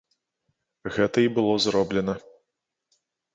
Гэта і было зроблена.